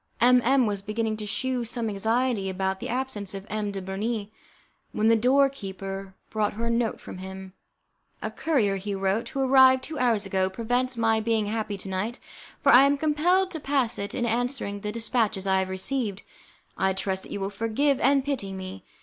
M M was beginning to shew some anxiety about the absence of M. de Bernis, when the door keeper brought her a note from him. "A courier," he wrote, "who arrived two hours ago, prevents my being happy to night, for I am compelled to pass it in answering the dispatches I have received. I trust that you will forgive and pity me.